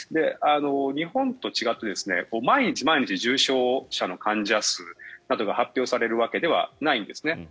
日本と違って毎日毎日、重症者の患者数が発表されるわけではないんです。